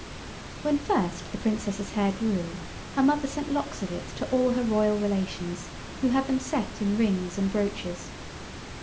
When first the Princess's hair grew her mother sent locks of it to all her Royal relations, who had them set in rings and brooches.